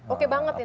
oke banget ini ya